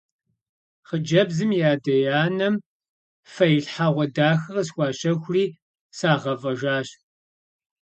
Хъыджэбзым и адэ-анэм фэилъхьэгъуэ дахэ къысхуащэхури сагъэфӀэжащ.